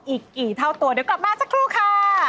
อีกกี่เท่าตัวเดี๋ยวกลับมาสักครู่ค่ะ